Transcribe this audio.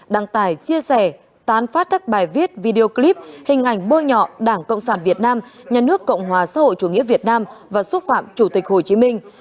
đăng tải chia sẻ tán phát các bài viết video clip hình ảnh bôi nhọ đảng cộng sản việt nam nhà nước cộng hòa xã hội chủ nghĩa việt nam và xúc phạm chủ tịch hồ chí minh